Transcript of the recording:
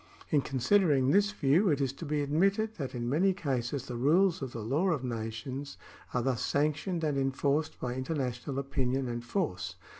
In consider ing this view it is to be admitted that in many cases the rules of the law of nations are thus sanctioned and enforced by international opinion and force.